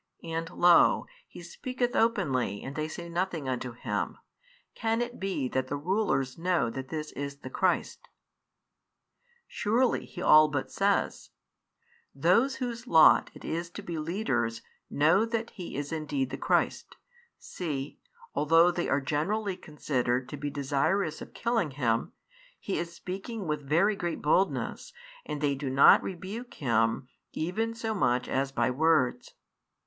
And lo, He speaketh openly and they say nothing unto Him. Can it he that the rulers know that this is the Christ? Surely he all but says, "Those whose lot it is to be leaders know that He is indeed the Christ; see, although they are generally considered to be desirous of killing Him, He is speaking with very great boldness and they do not rebuke Him even so much as by words."